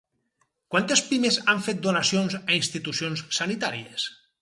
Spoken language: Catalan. Quantes pimes han fet donacions a institucions sanitàries?